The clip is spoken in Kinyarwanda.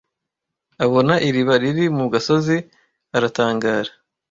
Abona iriba riri mu gasozi aratangara